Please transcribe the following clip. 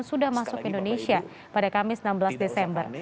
sudah masuk ke indonesia pada kamis enam belas desember